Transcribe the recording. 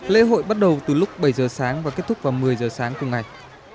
lễ hội bắt đầu từ lúc bảy giờ sáng và kết thúc vào một mươi giờ sáng cùng ngày